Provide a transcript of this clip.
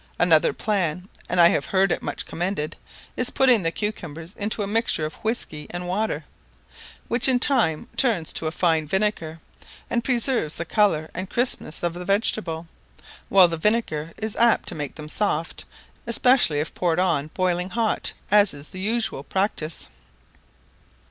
Another plan, and I have heard it much commended, is putting the cucumbers into a mixture of whiskey* and water, which in time turns to a fine vinegar, and preserves the colour and crispness of the vegetable; while the vinegar is apt to make them soft, especially if poured on boiling hot, as is the usual practice.